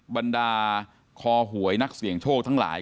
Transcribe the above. บรรดาคอหวยนักเสี่ยงโชคทั้งหลาย